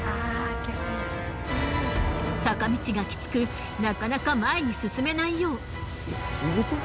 坂道がきつくなかなか前に進めないよう。